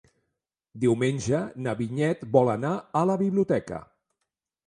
Diumenge na Vinyet vol anar a la biblioteca.